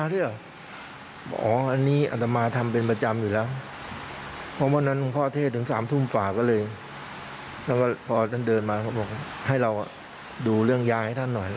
ทีนี้แยกรวมตามไปไม่ได้ขัดเขา